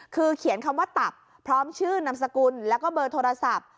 คือเขียนคำว่าตับพร้อมชื่อนามสกุลแล้วก็เบอร์โทรศัพท์